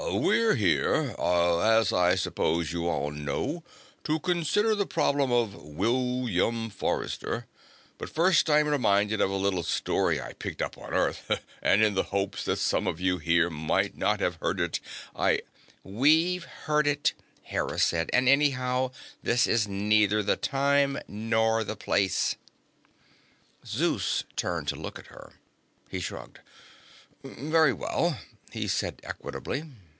"We're here, as I suppose you all know, to consider the problem of William Forrester. But first, I am reminded of a little story I picked up on Earth, and in the hopes that some of you here might not have heard it, I " "We've heard it," Hera said, "and, anyhow, this is neither the time nor the place." Zeus turned to look at her. He shrugged. "Very well," he said equably.